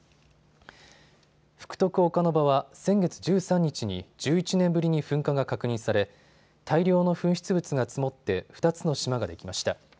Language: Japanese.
福徳岡ノ場は先月１３日に１１年ぶりに噴火が確認され大量の噴出物が積もって２つの島ができました。